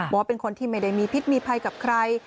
ว่าเป็นคนที่ไม่ได้มีพิษมีภัยกับใคร